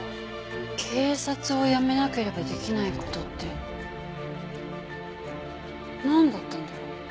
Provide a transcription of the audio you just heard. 警察を辞めなければできない事ってなんだったんだろう？